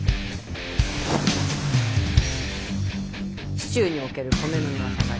市中における米の値は下がり。